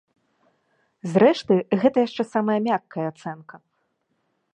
Зрэшты, гэта яшчэ самая мяккая ацэнка.